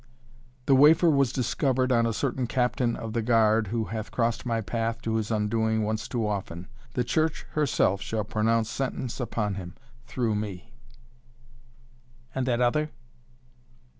"The wafer was discovered on a certain captain of the guard who hath crossed my path to his undoing once too often. The Church herself shall pronounce sentence upon him through me!" "And that other?"